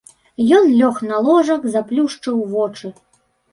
Ён лёг на ложак, заплюшчыў вочы.